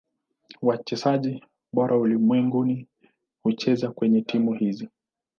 Wachezaji bora ulimwenguni hucheza kwenye timu hizi.